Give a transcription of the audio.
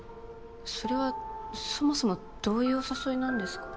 それはそもそもどういうお誘いなんですか？